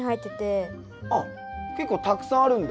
あっ結構たくさんあるんだ。